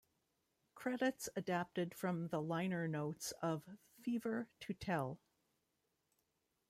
Credits adapted from the liner notes of "Fever to Tell".